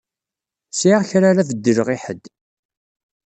Sɛiɣ kra ara beddleɣ i ḥedd.